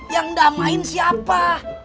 yang udah main siapa